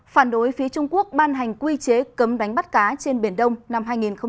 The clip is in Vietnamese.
phản đối phía trung quốc ban hành quy chế cấm đánh bắt cá trên biển đông năm hai nghìn hai mươi